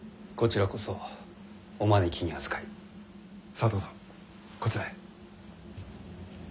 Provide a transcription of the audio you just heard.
さあどうぞこちらへ。